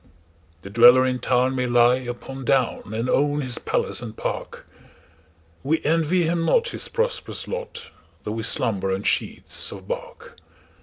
The dweller in town may lie upon down, And own his palace and park:We envy him not his prosperous lot, Though we slumber on sheets of bark.